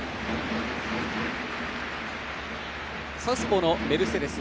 サウスポーのメルセデス。